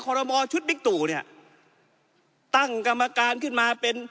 รมอชุดบิ๊กตู่เนี่ยตั้งกรรมการขึ้นมาเป็น